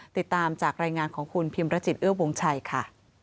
ติดตามจากรายงานของคุณพิมรจิตเอื้อวงชัยค่ะ